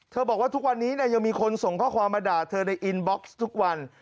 บอกว่าทุกวันนี้ยังมีคนส่งข้อความมาด่าเธอในอินบ็อกซ์ทุกวัน